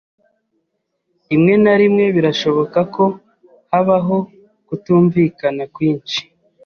Rimwe na rimwe birashoboka ko habaho kutumvikana kwinshi.